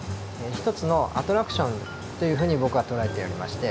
一つのアトラクションというふうに僕は捉えておりまして。